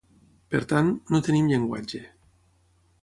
Per tant, no tenim llenguatge.